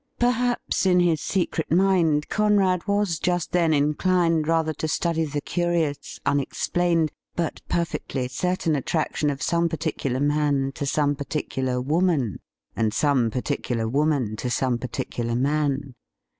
Perhaps in his secret mind Conrad was just then inchned father to study the curious, unexplained, but perfectly certain attraction of some particular man to some par ticular woman, and some ptirticular woman to some par ticular man.